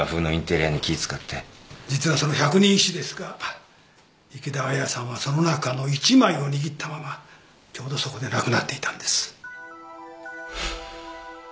実はその百人一首ですが池田亜矢さんはその中の１枚を握ったままちょうどそこで亡くなっていたんです。